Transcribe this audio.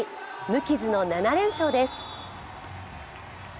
無傷の７連勝です。